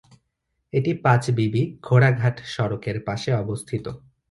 এটি পাঁচবিবি-ঘোড়াঘাট সড়কের পাশে অবস্থিত।